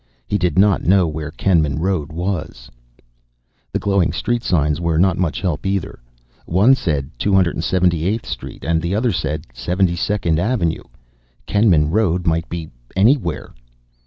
He did not know where Kenman Road was. The glowing street signs were not much help either. One said 287th Street and the other said 72nd Avenue. Kenman Road might be anywhere.